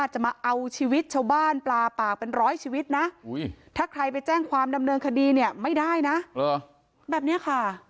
จะมาเอาชีวิตชาวบ้านปลาปากเป็นร้อยชีวิตนะถ้าใครไปแจ้งความดำเนินคดีเนี่ยไม่ได้นะแบบนี้ค่ะ